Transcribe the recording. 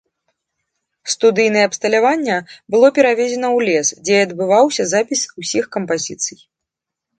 Студыйнае абсталяванне было перавезена ў лес, дзе і адбываўся запіс усіх кампазіцый.